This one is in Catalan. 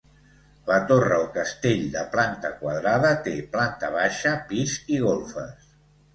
La torre o castell, de planta quadrada, té planta baixa, pis i golfes.